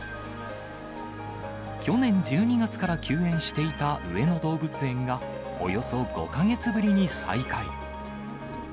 去年１２月から休園していた上野動物園がおよそ５か月ぶりに再開。